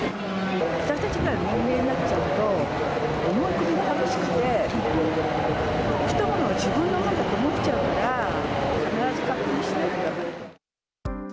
私たちぐらいの年齢になっちゃうと、思い込みが激しくて、来たものを自分のものだと思っちゃうから、必ず確認しないとだめ。